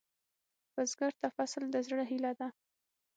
بزګر ته فصل د زړۀ هيله ده